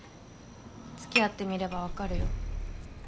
「つきあってみれば分かるよ」